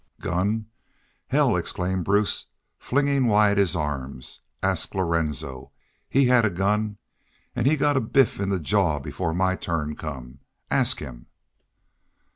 "Gun? Hell!" exclaimed Bruce, flinging wide his arms. "Ask Lorenzo. He had a gun. An' he got a biff in the jaw before my turn come. Ask him?"